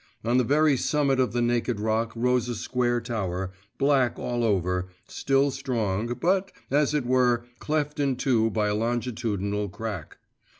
On the very summit of the naked rock rose a square tower, black all over, still strong, but, as it were, cleft in two by a longitudinal crack.